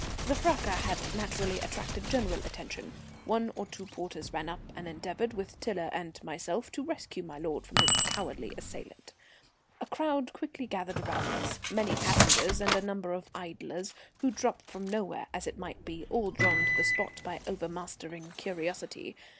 The fracas had naturally attracted general attention. One or two porters ran up and endeavoured, with Tiler and myself, to rescue my lord from his cowardly assailant. A crowd quickly gathered around us, many passengers and a number of idlers, who drop from nowhere, as it might be, all drawn to the spot by overmastering curiosity.